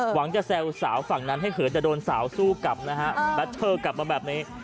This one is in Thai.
หวังจะแซวสาวฝั่งนั้นให้เขินจะโดนสาวสู้กลับนะฮะแล้วเธอกลับมาแบบนี้